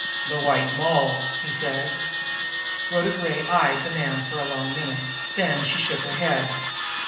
"The White Moll," he said. Rhoda Gray eyed the man for a long minute; then she shook her head.